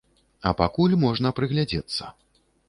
А пакуль можна прыглядзецца.